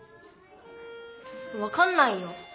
わかんないよ。